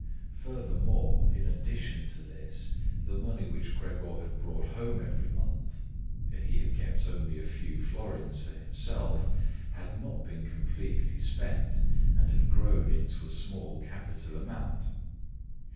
Furthermore, in addition to this, the money which Gregor had brought home every month—he had kept only a few florins for himself—had not been completely spent and had grown into a small capital amount.